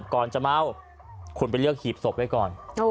ก่อนจะเมาคุณไปเลือกหีบศพไว้ก่อน